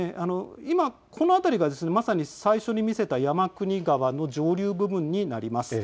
今この辺りがまさに最初に見せた山国川の上流部分になります。